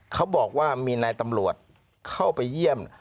เขาบอกว่ามีนายตำรวจเข้าไปเยี่ยม